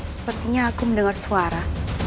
sepertinya aku mendengar suara